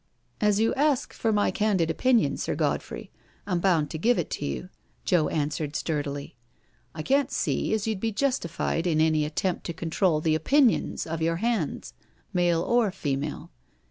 " As you ask for my candid opinion. Sir Godfrey, I'm bound to give it you," Joe answered sturdily: " I can't see as you'd be justified in any attempt to control the opinions of your hands— male or female.